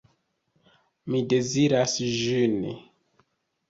Mi deziras ĝin.